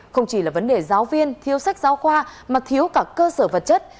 không chỉ là vấn đề giáo viên thiếu sách giáo khoa mà thiếu cả cơ sở vật chất